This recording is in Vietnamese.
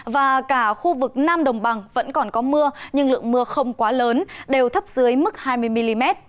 và cả khu vực nam đồng bằng vẫn còn có mưa nhưng lượng mưa không quá lớn đều thấp dưới mức hai mươi mm